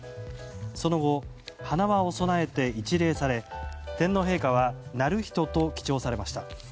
その後、花輪を供えて一礼され天皇陛下は徳仁と記帳されました。